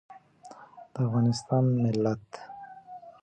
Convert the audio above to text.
د افغانستان ملت